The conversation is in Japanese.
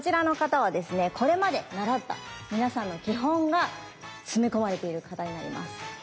これまで習った皆さんの基本が詰め込まれている形になります。